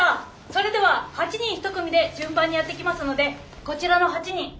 それでは８人１組で順番にやっていきますのでこちらの８人中にお入りください。